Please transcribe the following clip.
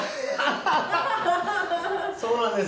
そうなんです。